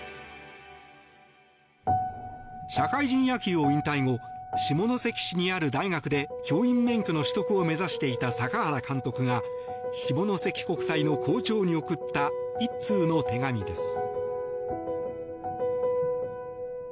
社会人野球を引退後下関市にある大学で教員免許の取得を目指していた坂原監督が下関国際の校長に送った１通の手紙です。